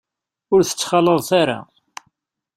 Ur t-ttxalaḍet ara.